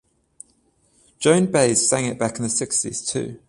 Joan Baez sang it back in the sixties too.